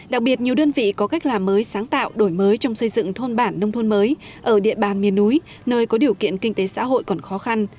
đặc biệt nhiều đơn vị có cách làm mới sáng tạo đổi mới trong xây dựng thôn bản nông thôn mới ở địa bàn miền núi nơi có điều kiện kinh tế xã hội còn khó khăn